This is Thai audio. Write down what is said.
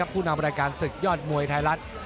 ผู้นำรายการศึกยอดมวยไทยรัฐ